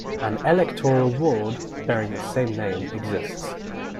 An electoral ward bearing the same name exists.